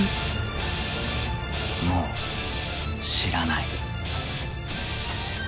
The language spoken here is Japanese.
もう知らない。